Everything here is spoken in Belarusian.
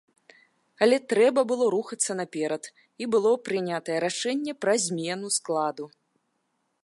Але трэба было рухацца наперад, і было прынятае рашэнне пра змену складу.